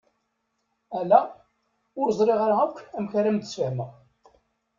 Ala! Ur ẓriɣ ara akk amek ara ad am-d-sfahmeɣ.